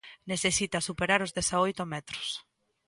Necesita superar os dezaoito metros.